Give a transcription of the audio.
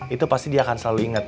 itu pasti dia akan selalu ingat